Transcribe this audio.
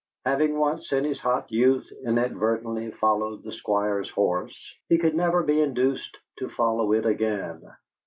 Having once in his hot youth inadvertently followed the Squire's horse, he could never be induced to follow it again.